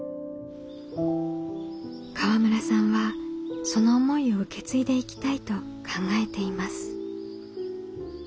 河村さんはその思いを受け継いでいきたいと考えています。